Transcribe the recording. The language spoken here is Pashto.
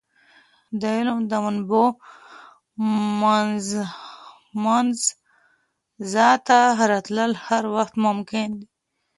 د علم د منابعو منځته راتلل هر وخت ممکن دی.